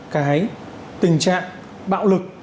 cái tình trạng bạo lực